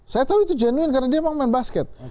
saya tahu itu genuin karena dia mau main basket